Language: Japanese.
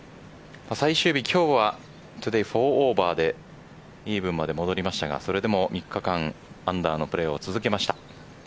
最終日、今日は４オーバーでイーブンまで送りましたがそれでも３日間アンダーのプレーを続けました。